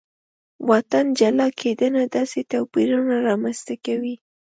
واټن جلا کېدنه داسې توپیرونه رامنځته کوي.